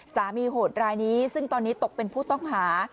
โหดรายนี้ซึ่งตอนนี้ตกเป็นผู้ต้องหา